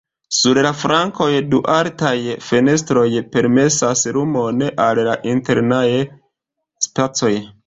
Sur la flankoj, du altaj fenestroj permesas lumon al la internaj spacoj.